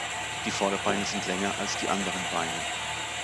Die Vorderbeine sind länger als die anderen Beine.